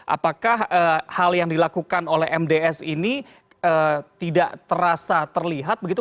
apakah hal yang dilakukan oleh mds ini tidak terasa terlihat begitu